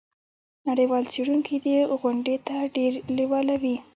نړیوال څیړونکي دې غونډې ته ډیر لیواله وي.